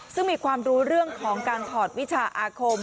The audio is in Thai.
ซึ่งมีความรู้เรื่องของการถอดวิชาอาคม